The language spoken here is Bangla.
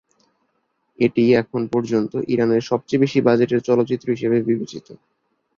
এটি এখন পর্যন্ত ইরানের সবচেয়ে বেশি বাজেটের চলচ্চিত্র হিসেবে বিবেচিত।